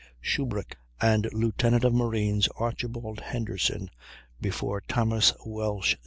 Shubrick and Lieutenant of Marines Archibald Henderson before Thomas Welsh.